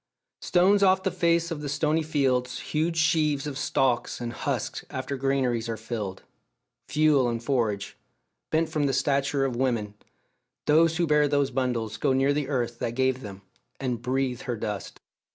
Stones off the face of the stony fields, huge sheaves of stalks and husks after granaries are filled, fuel and forage bent from the stature of women, those who bear those bundles go near the earth that gave them, and breathe her dust.